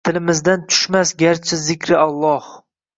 Tilimizdan tushmas garchi zikri Аlloh